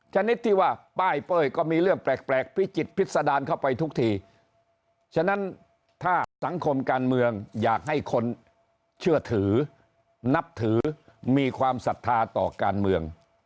ชนิดที่ว่าป้ายเป้ยก็มีเรื่องแปลกพิจิตพิษดารเข้าไปทุกทีฉะนั้นถ้าสังคมการเมืองอยากให้คนเชื่อถือนับถือมีความศรัทธาต่อการเมือง